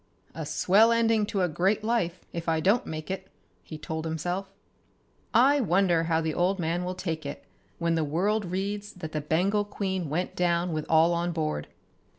"A swell ending to a great life, if I don't make it," he told himself. "I wonder how the old man will take it when the world reads that the Bengal Queen went down with all on board?